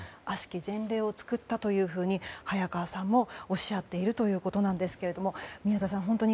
悪しき前例を作ったというふうに早川さんもおっしゃっているということですが、宮田さん